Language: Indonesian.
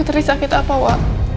lo terlisakit apa wa